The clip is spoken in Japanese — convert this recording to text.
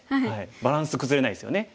バランス崩れないですよね。